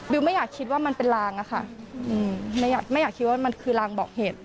ไม่อยากคิดว่ามันเป็นลางอะค่ะไม่อยากคิดว่ามันคือรางบอกเหตุ